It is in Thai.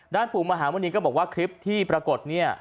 ปู่มหามุณีก็บอกว่าคลิปที่ปรากฏเนี่ย